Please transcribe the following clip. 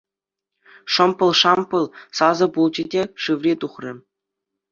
Шӑмпӑл-шампӑл сасӑ пулчӗ те, Шыври тухрӗ.